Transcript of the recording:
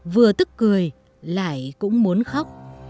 vừa tức cười lại cũng muốn khóc